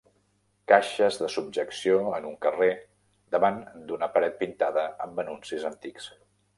Caixes de subjecció en un carrer davant d'una paret pintada amb anuncis antics.